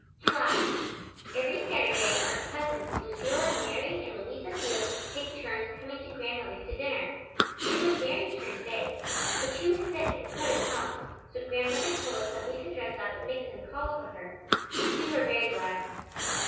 July. Every Saturday our cousins, Lucilla and Mary and Louisa Field, take turns coming to Grandmother's to dinner. It was Mary's turn to day, but she was sick and couldn't come, so Grandmother told us that we could dress up and make some calls for her. We were very glad.